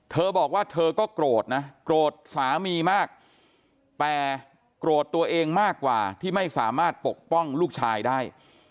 เธอบอกว่าเธอก็โกรธนะโกรธสามีมากแต่โกรธตัวเองมากกว่าที่ไม่สามารถปกป้องลูกชายได้